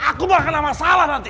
aku gak kena masalah nanti